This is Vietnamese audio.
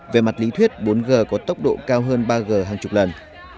về mặt lý thuyết bốn g có tốc độ cao hơn ba g hàng chục lần